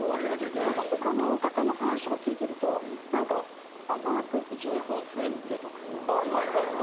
だからなんか他の方の話とか聞いてるとなんか甘く１２本常に入れとくみたいな。